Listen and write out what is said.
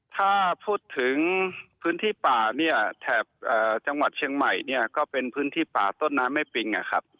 ถ้าพูดถึงพื้นที่ป่าเนี่ยแถบจังหวัดเชียงใหม่เนี่ยก็เป็นพื้นที่ป่าต้นน้ำแม่ปิงนะครับ